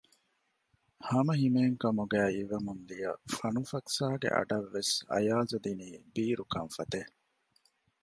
ހަމަހިމޭން ކަމުގައި އިވެމުން ދިޔަ ފަނުފަކްސާގެ އަޑަށްވެސް އަޔަާޒު ދިނީ ބީރު ކަންފަތެއް